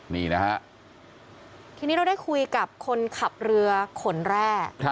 นี่นะฮะทีนี้เราได้คุยกับคนขับเรือขนแร่